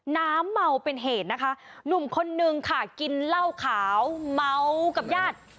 น้ำเมาเป็นเหตุนะคะหนุ่มคนนึงค่ะกินเหล้าขาวเมากับญาติ